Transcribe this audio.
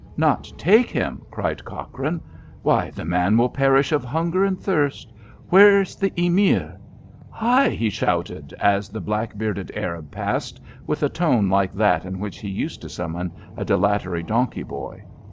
"Not take him!" cried Cochrane. "Why, the man will perish of hunger and thirst. Where's the Emir? Hi!" he shouted, as the black bearded Arab passed, with a tone like that in which he used to summon a dilatory donkey boy.